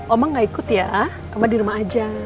oma nggak ikut ya oma di rumah aja